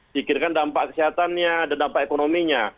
pikirkan dampak kesehatannya ada dampak ekonominya